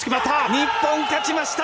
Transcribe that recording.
日本勝ちました！